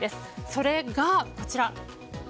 それが、こちら。